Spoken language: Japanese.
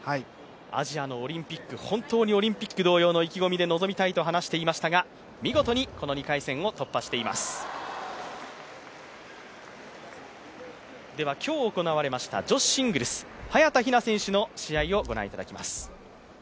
アジアのオリンピック本当にオリンピック同様の意気込みで臨みたいと話していましたが見事にこの２回戦を突破していますでは、今日行われました女子シングルス早田ひな選手の試合をご覧いただきます。